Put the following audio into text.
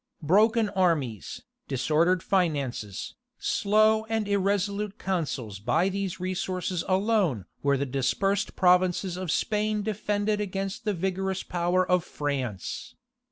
Broken armies, disordered finances, slow and irresolute counsels by these resources alone were the dispersed provinces of Spain defended against the vigorous power of France.